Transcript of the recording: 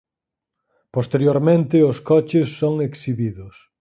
Posteriormente os coches son exhibidos.